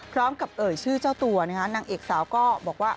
พร้อมกับเอ๋ยชื่อเจ้าตัวนางเอกสาวก็บอกว่า